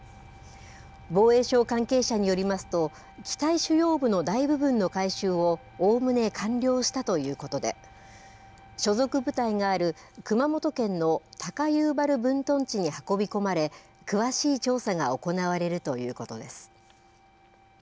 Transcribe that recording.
防衛省関係者によりますと、機体主要部の大部分の回収をおおむね完了したということで、所属部隊がある熊本県の高遊原分屯地に運び込まれ、詳しい調査が行われるということです。